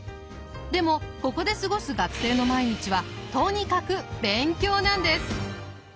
でもここで過ごす学生の毎日はとにかく勉強なんです。